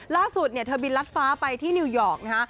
ล่าสุดเนี่ยเธอบินรัดฟ้าไปที่นิวยอร์กนะฮะ